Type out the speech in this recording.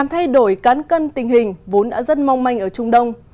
thay đổi cán cân tình hình vốn đã rất mong manh ở trung đông